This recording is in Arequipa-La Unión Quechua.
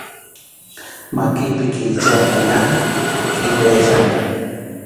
Makiypi kʼirichayqa ña kʼillayachkanña.